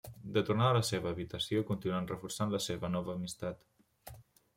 De tornada a la seva habitació, continuen reforçant la seva nova amistat.